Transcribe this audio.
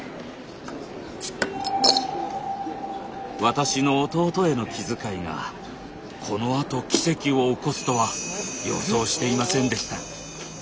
私の弟への気遣いがこのあと奇跡を起こすとは予想していませんでした。